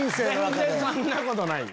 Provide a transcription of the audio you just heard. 全然そんなことないよ。